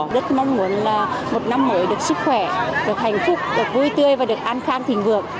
rất mong muốn là một năm mới được sức khỏe được hạnh phúc được vui tươi và được an khang thịnh vượng